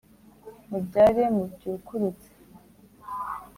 Mubyare mubyukurutse